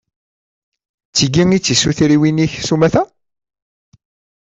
D tigi i d tisutriwin-ik s umata?